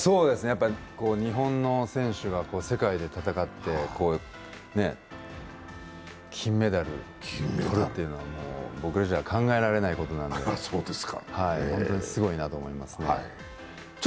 やっぱ日本の選手が世界で戦って、金メダル取るっていうのは僕らじゃ考えられないことなので本当にすごいなと思いますね。